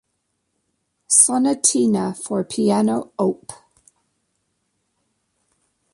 Sonatina for piano Op.